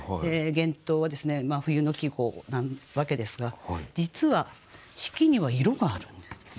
「玄冬」はですね冬の季語なわけですが実は四季には色があるんです。